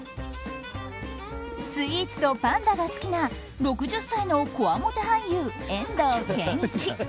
スイーツとパンダが好きな６０歳のこわもて俳優・遠藤憲一。